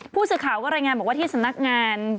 ผู้สื่อข่าวก็รายงานบอกว่าที่สำนักงาน